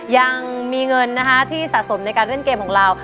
ยังมีเงินนะคะที่สะสมในการเล่นเกมของเรา